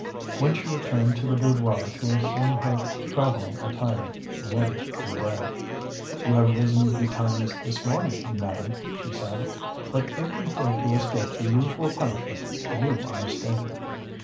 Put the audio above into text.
When she returned to the boudoir to assume her travelling attire, Lydia was there. "You have risen betimes this morning, madam," she said; "but if you think to escape the usual punishment, you are mistaken."